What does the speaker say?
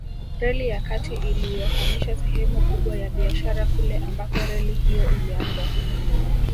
Reli ya kati iliyohamisha sehemu kubwa ya biashara kule ambako reli hiyo ilianza